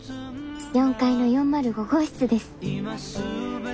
４階の４０５号室です。